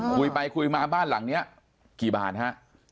คุยไปคุยมาบ้านหลังนี้กี่บาทฮะ